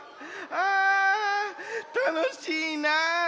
あたのしいな。